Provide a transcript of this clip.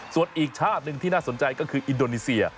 ส่วนอีกชาติหนึ่งที่น่าสนใจก็คืออินโดนีเซีย